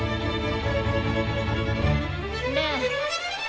ねえ！